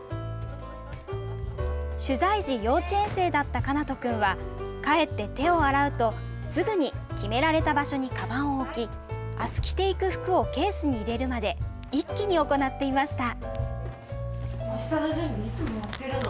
取材時、幼稚園生だった奏人君は帰って手を洗うとすぐに決められた場所にかばんを置きあす着ていく服をケースに入れるまで一気に行っていました。